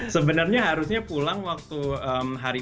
sebenarnya harusnya pulang waktu hari